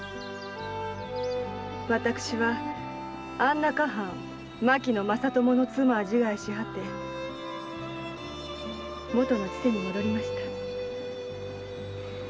私は安中藩・牧野正友の妻は自害して果てもとの千世に戻りました。